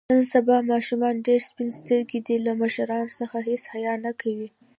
نن سبا ماشومان ډېر سپین سترګي دي. له مشرانو څخه هېڅ حیا نه کوي.